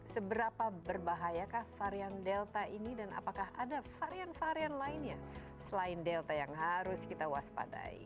seberapa berbahayakah varian delta ini dan apakah ada varian varian lainnya selain delta yang harus kita waspadai